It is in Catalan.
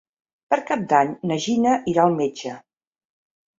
Per Cap d'Any na Gina irà al metge.